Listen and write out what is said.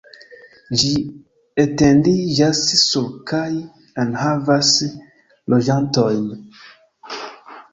Ĝi etendiĝas sur kaj enhavas loĝantojn.